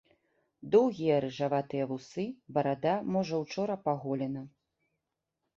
Доўгія рыжаватыя вусы, барада, можа, учора паголена.